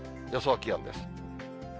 予想気温です。